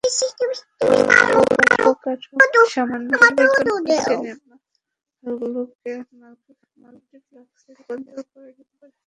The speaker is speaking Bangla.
বরং অবকাঠামোয় সামান্য পরিবর্তন করে সিনেমা হলগুলোকে মাল্টিপ্লেক্সে রূপান্তর করা যেতে পারে।